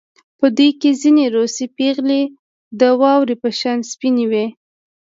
په دوی کې ځینې روسۍ پېغلې د واورې په شان سپینې وې